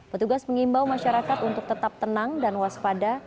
petugas mengimbau masyarakat untuk tetap tenang dan waspada